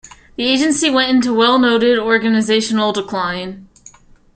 The agency went into well-noted organizational decline.